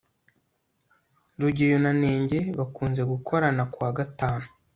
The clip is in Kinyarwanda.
rugeyo na nenge bakunze gukorana kuwa gatanu